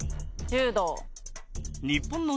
柔道。